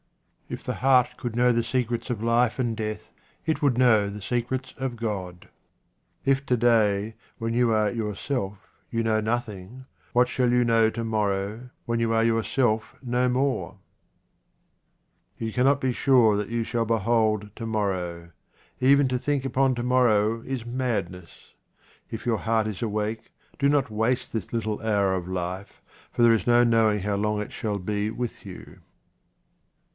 If the heart could know the secrets of life and death, it would know the secrets of God. If to day, when you are yourself, you know nothing, what shall you know to morrow, when you are yourself no more ? You cannot be sure that you shall behold to morrow. Even to think upon to morrow is madness. If your heart is awake, do not waste this little hour of life, for there is no knowing how long it shall be with you.